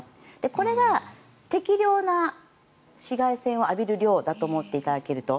これが、適量な紫外線を浴びる量だと思っていただけると。